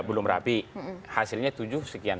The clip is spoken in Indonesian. belum rapi hasilnya tujuh sekian